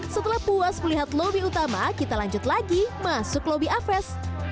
setelah puas melihat lobi utama kita lanjut lagi masuk ke lobi aves